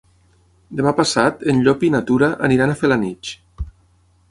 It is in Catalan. Demà passat en Llop i na Tura aniran a Felanitx.